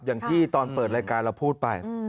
อย่างที่ตอนเปิดรายการเราพูดไป